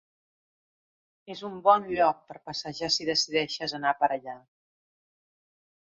És un bon lloc per passejar si decideixes anar per allà.